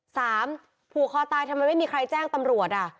ผูกคอตายทำไมไม่มีใครแจ้งตำรวจอ่ะ